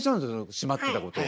しまってたことを。